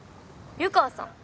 湯川さん